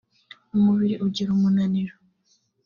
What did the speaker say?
umubiri ugira umunaniro